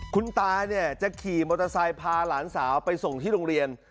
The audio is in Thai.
คุณตาเนี่ยจะขี่มอเตอร์ไซค์พาหลานสาวไปส่งที่โรงเรียน